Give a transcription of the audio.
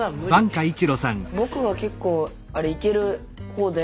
ぼくは結構あれいける方で。